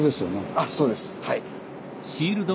あそうですはい。